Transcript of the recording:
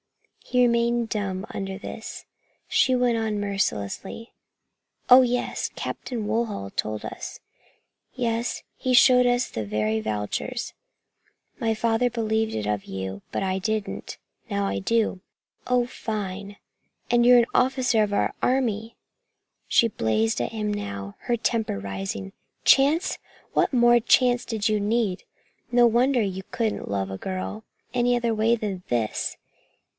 He remained dumb under this. She went on mercilessly. "Oh, yes, Captain Woodhull told us. Yes, he showed us the very vouchers. My father believed it of you, but I didn't. Now I do. Oh, fine! And you an officer of our Army!" She blazed out at him now, her temper rising. "Chance? What more chance did you need? No wonder you couldn't love a girl any other way than this.